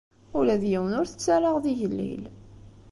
Ula d yiwen ur t-ttarraɣ d igellil.